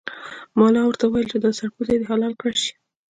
ملا ورته وویل چې دا سرکوزی دې حلال کړای شي.